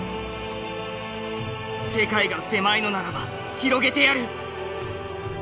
「世界が狭いのならば広げてやる」。